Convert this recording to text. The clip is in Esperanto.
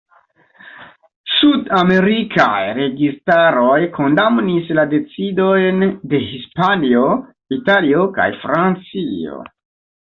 Sud-amerikaj registaroj kondamnis la decidojn de Hispanio, Italio kaj Francio.